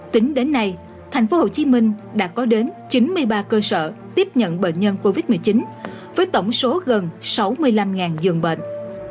tính đến nay thành phố hồ chí minh đã có đến chín mươi ba cơ sở tiếp nhận bệnh nhân covid một mươi chín với tổng số gần sáu mươi năm dường bệnh